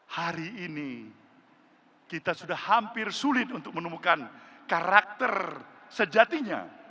hari ini kita sudah hampir sulit untuk menemukan karakter sejatinya